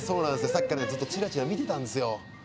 さっきからずっとチラチラ見てたんですよ。